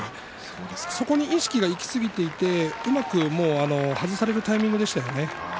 そこに意識がいきすぎていてうまく外されるタイミングでしたね。